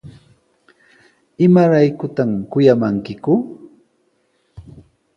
¿Imaraykutaq kuyamankiku?